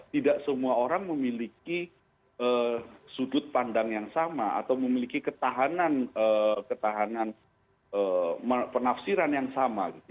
tidak semua orang memiliki sudut pandang yang sama atau memiliki ketahanan penafsiran yang sama